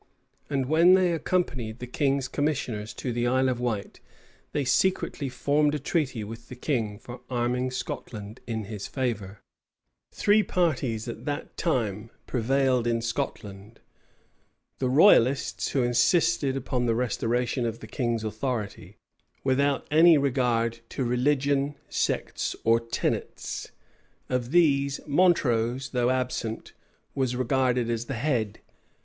And when they accompanied the English commissioners to the Isle of Wight, they secretly formed a treaty with the king for arming Scotland in his favor.[] * Cl. Walker, p. 80. Clarendon, vol. v. p. 101. Three parties at that time prevailed in Scotland: the "royalists," who insisted upon the restoration of the king's authority, without any regard to religion sects or tenets: of these, Montrose, though absent, was regarded as the head.